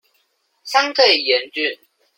相對嚴峻